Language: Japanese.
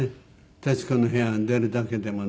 『徹子の部屋』に出るだけでもね